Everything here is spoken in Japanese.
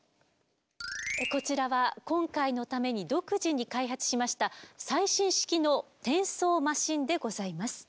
こちらは今回のために独自に開発しました最新式の転送マシンでございます。